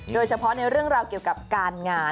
โดยเฉพาะในเรื่องราวเกี่ยวกับการงาน